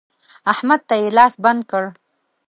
احمد ته يې لاس بند کړ.